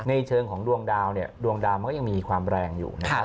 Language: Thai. ในเชิงของดวงดาวดวงดาวมันก็ยังมีความแรงอยู่นะ